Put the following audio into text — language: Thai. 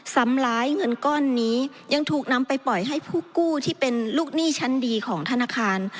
ซ้ำร้ายเงินก้อนนี้ยังถูกนำไปปล่อยให้ผู้กู้ที่เป็นลูกหนี้ชั้นดีของธนาคาร